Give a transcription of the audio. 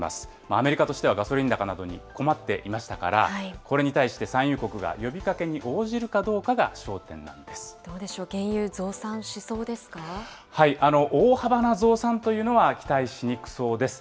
アメリカとしてはガソリン高などに困っていましたから、これに対して産油国が呼びかけに応じるかどうでしょう、原油、増産し大幅な増産というのは期待しにくそうです。